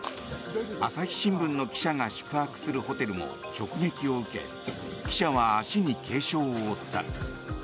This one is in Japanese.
朝日新聞の記者が宿泊するホテルも直撃を受け記者は足に軽傷を負った。